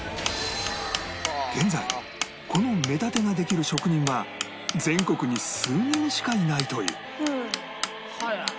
現在この目立てができる職人は全国に数人しかいないという